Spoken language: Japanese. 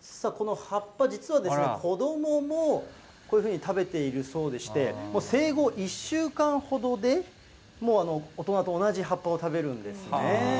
さあ、この葉っぱ、実は子どもも、こういうふうに食べているそうでして、生後１週間ほどでもう大人と同じ葉っぱを食べるんですね。